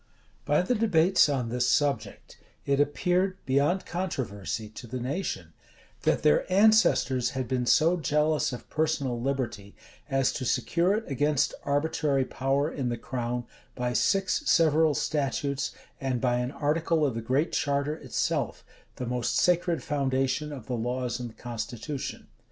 By the debates on this subject, it appeared, beyond controversy, to the nation, that their ancestors had been so jealous of personal liberty, as to secure it against arbitrary power in the crown, by six[] several statutes, and by an article[] of the Great Charter itself, the most sacred foundation of the laws and constitution.